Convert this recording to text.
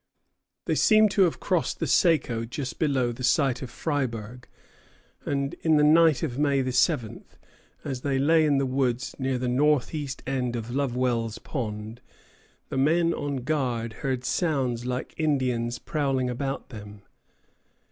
They seem to have crossed the Saco just below the site of Fryeburg, and in the night of May 7, as they lay in the woods near the northeast end of Lovewell's Pond, the men on guard heard sounds like Indians prowling about them.